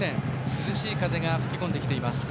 涼しい風が吹き込んできています。